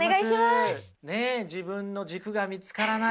自分の軸が見つからない。